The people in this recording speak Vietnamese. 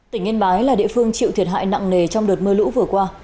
tỉnh yên bái là địa phương chịu thiệt hại nặng nề trong đợt mưa lũ vừa qua